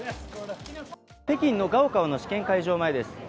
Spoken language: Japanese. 北京の高考の試験会場前です。